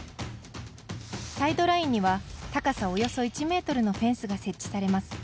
サイドラインには、高さおよそ１ｍのフェンスが設置されます。